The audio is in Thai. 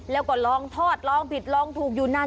แล้วก็ลองทอดลองผิดลองถูกอยู่นาน